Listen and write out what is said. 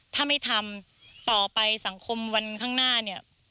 ถ้าไม่ทำต่อไปสังคมวันข้างหน้าเนี่ย